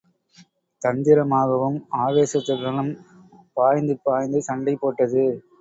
தந்திரமாகவும் ஆவேசத் துடனும் பாய்ந்து பாய்ந்து சண்டை போட்டது.